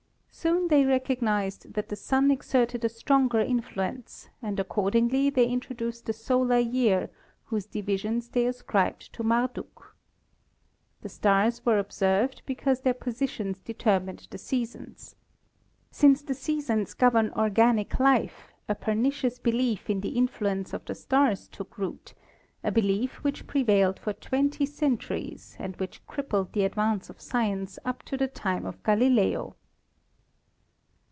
Soon they recognised that the Sun exerted a stronger influence, and accordingly they in troduced a solar year whose divisions they ascribed to Marduk. The stars were observed because their positions determined the seasons. Since the seasons govern organic life, a pernicious belief in the influence of the stars took root, a belief which prevailed for twenty centuries and 4 ASTRONOMY which crippled the advance of science up to the time of Galileo.